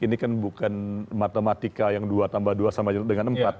ini kan bukan matematika yang dua tambah dua sama dengan empat